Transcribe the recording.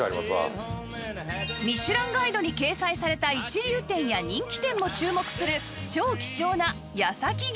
『ミシュランガイド』に掲載された一流店や人気店も注目する超希少な八崎牛